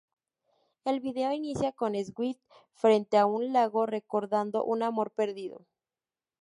El vídeo inicia con Swift frente a un lago recordando un amor perdido.